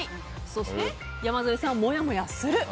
そして、山添さん、もやもやする。